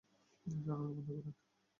জানালা বন্ধ করেন!